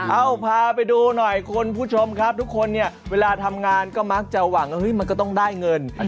เอาพาไปดูหน่อยคุณผู้ชมครับทุกคนเนี่ยเวลาทำงานก็มักจะหวังว่ามันก็ต้องได้เงิน